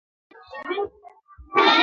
د اسلام د سیاسي نظام اهداف درې دي.